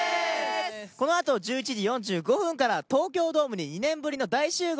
このあと１１時４５分から東京ドームに２年ぶりの大集合。